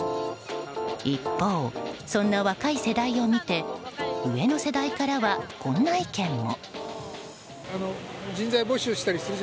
一方、そんな若い世代を見て上の世代からは、こんな意見も。